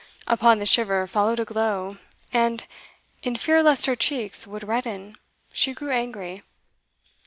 Upon the shiver followed a glow, and, in fear lest her cheeks would redden, she grew angry.